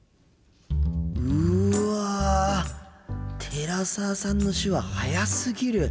寺澤さんの手話速すぎる。